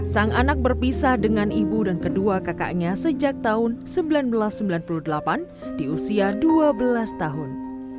sang anak berpisah dengan ibu dan kedua kakaknya sejak tahun seribu sembilan ratus sembilan puluh delapan di usia dua belas tahun